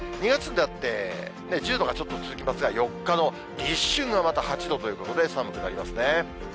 ２月になって１０度がちょっと続きますが、４日の立春がまた８度ということで、寒くなりますね。